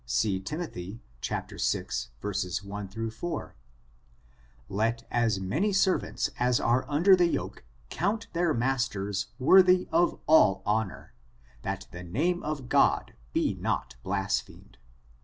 See Timothy vi, 1 — 4: ''Let as many servants as are under the yoke, count their masters worthy of all honor, that the name of God be not blasphemed.